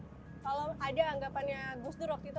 kalau ada anggapannya gus durok itu